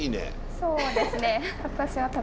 そうですね。